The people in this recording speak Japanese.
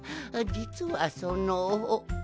じつはその。